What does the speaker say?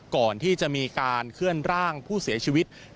ก่อนที่จะมีการเคลื่อนร่างผู้เสียชีวิต